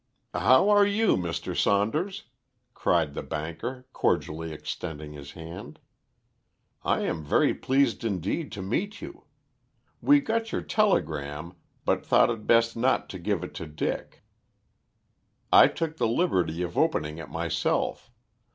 "How are you, Mr. Saunders?" cried the banker, cordially extending his hand. "I am very pleased indeed to meet you. We got your telegram, but thought it best not to give it to Dick. I took the liberty of opening it myself.